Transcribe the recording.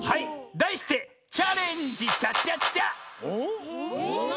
だいして「チャレンジチャチャチャ！」